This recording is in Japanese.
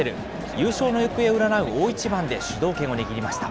優勝の行方を占う大一番で主導権を握りました。